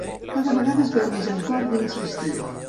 Cada cop es veu més amb cor d'insistir.